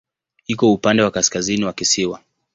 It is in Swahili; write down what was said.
Iko upande wa kaskazini wa kisiwa.